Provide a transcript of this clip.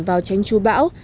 vào tránh chu bão